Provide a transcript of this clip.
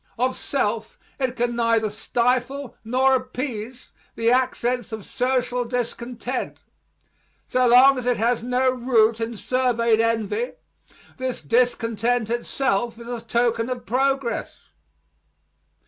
Of self it can neither stifle nor appease the accents of social discontent. So long as it has no root in surveyed envy, this discontent itself is a token of progress.